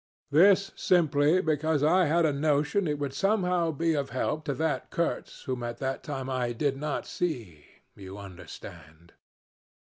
This simply because I had a notion it somehow would be of help to that Kurtz whom at the time I did not see you understand.